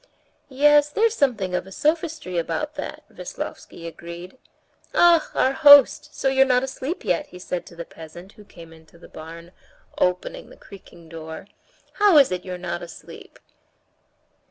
"Yes, there's something of a sophistry about that," Veslovsky agreed. "Ah! our host; so you're not asleep yet?" he said to the peasant who came into the barn, opening the creaking door. "How is it you're not asleep?"